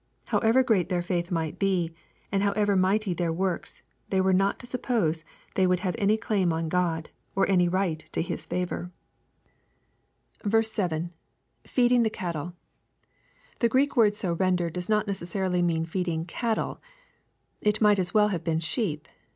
However great their faith might be, and however mighty their works, they were not to suppose they would have any claim on God, or any right to His &vor. 230. EXPOSITORY THOUGHTS. 7 — {Feeding cattle.] The Greek word so rendered does not neces sarily mean feeding cattle. It might as well have been sheep.